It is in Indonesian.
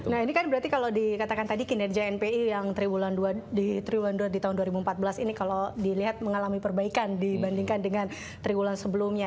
nah ini kan berarti kalau dikatakan tadi kinerja npi yang di triwulan dua di tahun dua ribu empat belas ini kalau dilihat mengalami perbaikan dibandingkan dengan triwulan sebelumnya